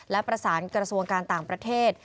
และประสานกระทรวงการต่างประเทศ